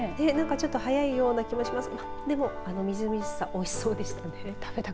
ちょっと早いような気がしますがあのみずみずしさおいしそうでしたね。